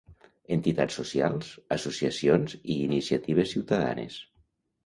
Entitats socials, associacions i iniciatives ciutadanes.